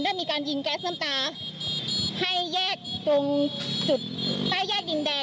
มีการยิงแก๊สน้ำตาให้แยกตรงจุดใต้แยกดินแดง